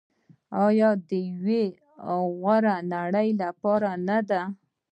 آیا د یوې غوره نړۍ لپاره نه دی؟